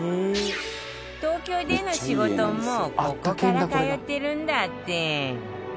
東京での仕事もここから通っているんだって。